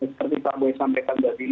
seperti pak boy sampaikan tadi